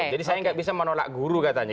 jadi saya nggak bisa menolak guru katanya